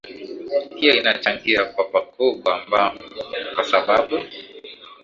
hiyo inachangia kwa pakubwa ambwa kwa sababu